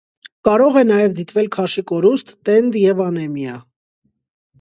Կարող է նաև դիտվել քաշի կորուստ, տենդ և անեմիա։